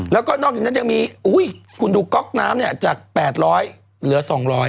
แล้วก็นอกจากนั้นยังมีคุณดูก๊อกน้ำเนี่ยจาก๘๐๐เหลือ๒๐๐